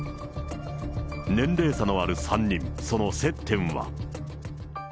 年齢差のある３人、その接点は。